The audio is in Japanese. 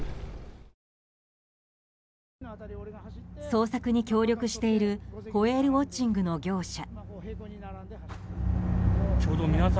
捜索に協力しているホエールウォッチングの業者。